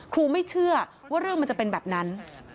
ไม่เชื่อว่าเรื่องมันจะเป็นแบบนั้น